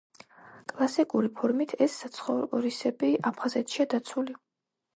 კლასიკური ფორმით ეს საცხოვრისები აფხაზეთშია დაცული.